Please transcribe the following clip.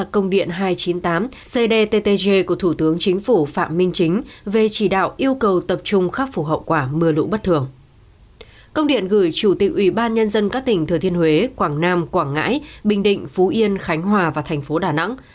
công điện gửi chủ tịch ủy ban nhân dân các tỉnh thừa thiên huế quảng nam quảng ngãi bình định phú yên khánh hòa và thành phố đà nẵng